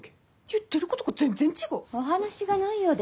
言ってることが全然違う。